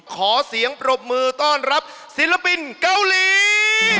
ขอเสียงปรบมือต้อนรับศิลปินเกาหลี